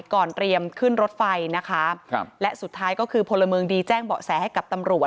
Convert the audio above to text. เตรียมขึ้นรถไฟนะคะครับและสุดท้ายก็คือพลเมืองดีแจ้งเบาะแสให้กับตำรวจ